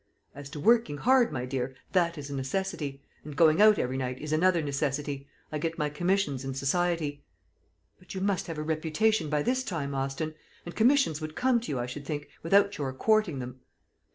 "As to working hard, my dear, that is a necessity; and going out every night is another necessity. I get my commissions in society." "But you must have a reputation by this time, Austin; and commissions would come to you, I should think, without your courting them."